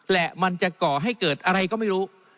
และมันจะก่อให้เกิดอะไรก็ไม่รู้